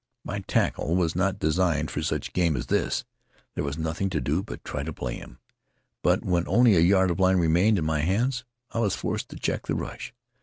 My tackle was not designed for such game as this — there was nothing to do but try to play him; but when only a yard of line remained in my hands I was forced to check the rush.